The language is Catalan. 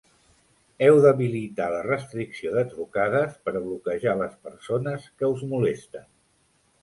Heu d'habilitar la restricció de trucades per bloquejar les persones que us molesten.